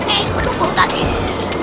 eh penunggunya ini